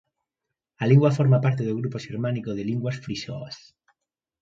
A lingua forma parte do grupo xermánico de linguas frisoas.